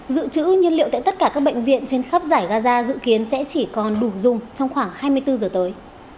dự trữ nhiên liệu tại tất cả các bệnh viện trên khắp giải gaza dự kiến sẽ chỉ còn đủ dùng trong khoảng hai mươi bốn giờ tới